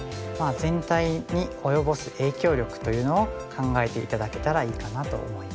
全体に及ぼす影響力というのを考えて頂けたらいいかなと思います。